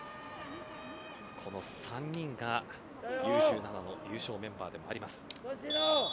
この３人がＵ‐１７の優勝メンバーであります。